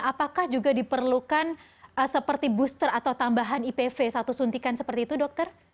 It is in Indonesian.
apakah juga diperlukan seperti booster atau tambahan ipv satu suntikan seperti itu dokter